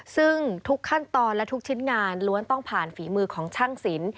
ซึ่งทุกขั้นตอนและทุกชิ้นงานล้วนต้องผ่านฝีมือของช่างสิน